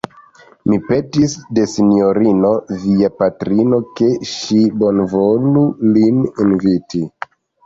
Mi petis de sinjorino via patrino, ke ŝi bonvolu lin inviti.